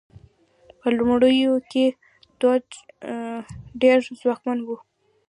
په لومړیو کې دوج ډېر ځواکمن و.